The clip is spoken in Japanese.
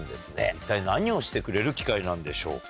一体何をしてくれる機械なんでしょうか？